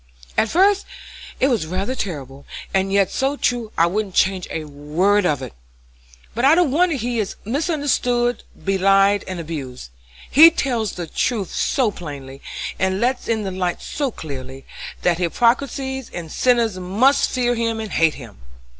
At first it was rather terrible, and yet so true I wouldn't change a word of it. But I don't wonder he is misunderstood, belied, and abused. He tells the truth so plainly, and lets in the light so clearly, that hypocrites and sinners must fear and hate him.